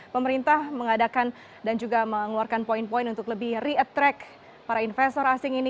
pemerintah mengadakan dan juga mengeluarkan poin poin untuk lebih re attract para investor asing ini